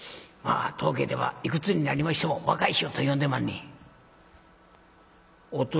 「まあ当家ではいくつになりましても若い衆と呼んでまんねや」。